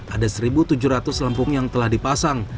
ada satu tujuh ratus lampung yang telah dipasang